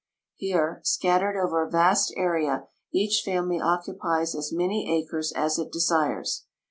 Here scattered over a vast area each family occupies as many acres as it desires.